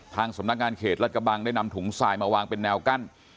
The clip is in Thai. ทางสำนักงานเขตรัฐกระบังได้นำถุงทรายมาวางเป็นแนวกั้น